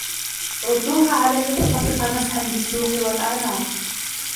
رُدُّوهَا عَلَيَّ فَطَفِقَ مَسْحًا بِالسُّوقِ وَالْأَعْنَاقِ